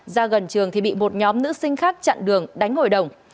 ra gần trường thì bị một nhóm nữ sinh khác chặn đường đánh hội đồng